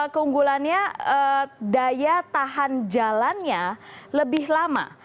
keunggulannya daya tahan jalannya lebih lama